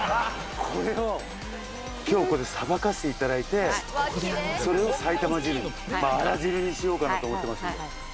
これを今日ここでさばかして頂いてそれを埼玉汁にあら汁にしようかなと思ってますんで。